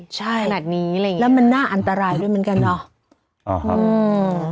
ใช่และมันน่าอันตรายด้วยเหมือนกันหรอ